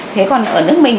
thế còn ở nước mình